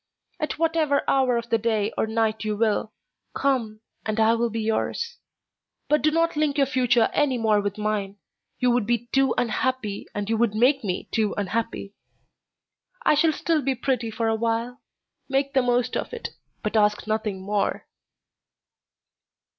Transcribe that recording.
At whatever hour of the day or night you will, come, and I will be yours; but do not link your future any more with mine, you would be too unhappy and you would make me too unhappy. I shall still be pretty for a while; make the most of it, but ask nothing more."